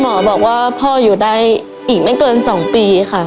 หมอบอกว่าพ่ออยู่ได้อีกไม่เกิน๒ปีค่ะ